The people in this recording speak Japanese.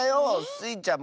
スイちゃん